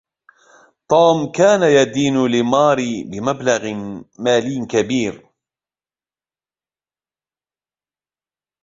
توم كان يدين لماري بمبلغ مالي كبير.